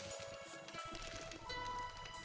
spece thou yam banteng takut semabati